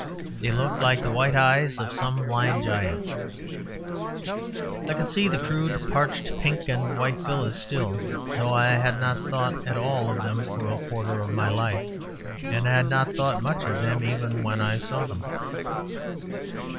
They looked like the white eyes of some blind giant. I could see the crude, parched pink and white villas still; though I had not thought at all of them for a quarter of my life; and had not thought much of them even when I saw them.